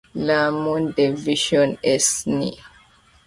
La Mondovision est née.